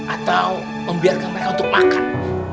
atau membiarkan mereka untuk makan